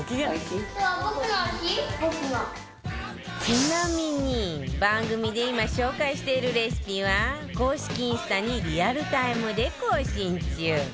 ちなみに番組で紹介しているレシピは公式インスタにリアルタイムで更新中。